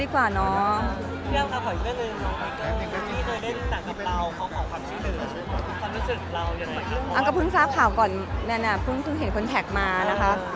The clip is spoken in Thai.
อีกวันก็เลยต้องตามหาใหม่สิบถุบอย่างนั้น